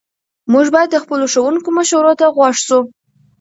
موږ باید د خپلو ښوونکو مشورو ته غوږ سو.